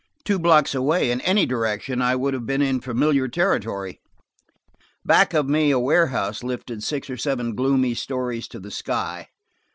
Two blocks away, in any direction, I would have been in familiar territory again. Back of me a warehouse lifted six or seven gloomy stories to the sky.